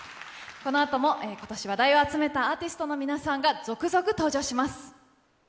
このあとも今年話題を集めたアーティストの皆さんが続々登場します。